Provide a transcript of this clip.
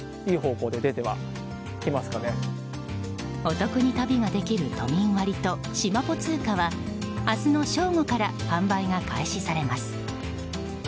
お得に旅ができる都民割としまぽ通貨は明日の正午から販売が開始されます。